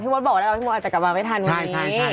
เป็นครั้งแรกที่น้าบูนกัน๓คน